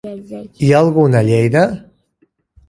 Hi ha algun a Lleida?